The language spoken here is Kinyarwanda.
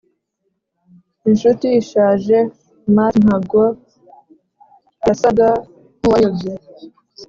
inshuti ishaje mutt, ntabwo yasaga nkuwayobye.